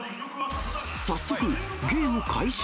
早速、ゲーム開始。